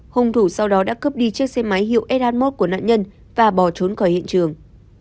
hùng thủ sau đó đã cướp đi chiếc xe máy hiệu shamm của nạn nhân và bỏ trốn khỏi hiện trường